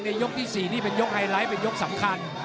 ยกที่๔นี่เป็นยกไฮไลท์เป็นยกสำคัญ